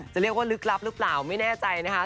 จะเรียกว่าลึกลับหรือเปล่าไม่แน่ใจนะคะ